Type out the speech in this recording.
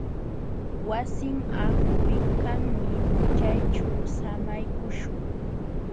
Wasin haakuykanmi. Chayćhu samaykuśhun.